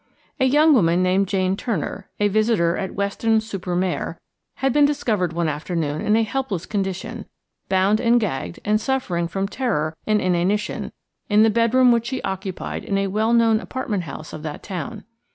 A young woman named Jane Turner, a visitor at Weston super Mare, had been discovered one afternoon in a helpless condition, bound and gagged, and suffering from terror and inanition, in the bedroom which she occupied in a well known apartment house of that town.